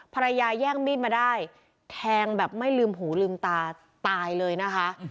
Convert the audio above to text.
ภรรยาแย่งมีดมาได้แทงแบบไม่ลืมหูลืมตาตายเลยนะคะ